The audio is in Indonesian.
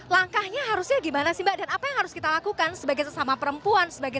langkahnya harusnya gimana sih mbak dan apa yang harus kita lakukan sebagai sesama perempuan sebagai